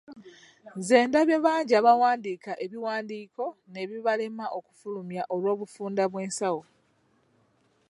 Nze ndabye bangi abawandiika, ebiwandiiko ne bibalema okufulumya olw'obufunda bw'ensawo!